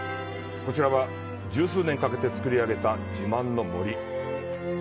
こちらは、十数年かけて造り上げた自慢の森。